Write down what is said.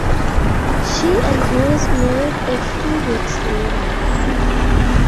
She and Burris married a few weeks later.